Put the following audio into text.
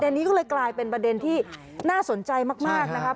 อันนี้ก็เลยกลายเป็นประเด็นที่น่าสนใจมากนะครับ